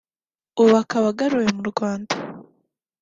ubu akaba agaruwe mu Rwanda